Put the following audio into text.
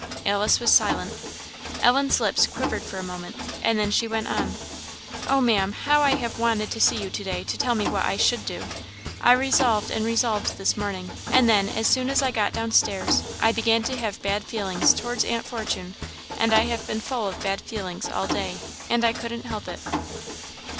Alice was silent. Ellen's lips quivered for a moment, and then she went on "Oh, Maam, how I have wanted to see you to day to tell me what I should do! I resolved and resolved this morning; and then, as soon as I got down stairs, I began to have bad feelings towards Aunt Fortune, and I have been full of bad feelings all day; and I couldn't help it."